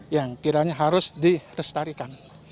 yang kiranya harus direstarikan